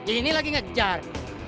ini lagi ngejar